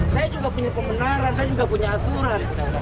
saya juga punya pembenaran saya juga punya aturan